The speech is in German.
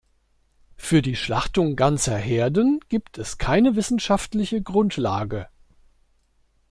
Für die Schlachtung ganzer Herden gibt es keine wissenschaftliche Grundlage.